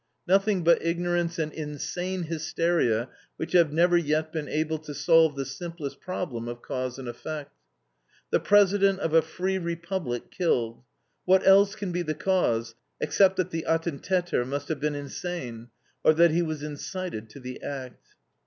Nothing but ignorance and insane hysteria, which have never yet been able to solve the simplest problem of cause and effect. The President of a free Republic killed! What else can be the cause, except that the ATTENTATER must have been insane, or that he was incited to the act.